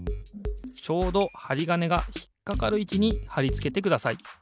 ちょうどはりがねがひっかかるいちにはりつけてください。